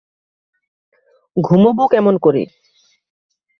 ঘুমোব কেমন করে।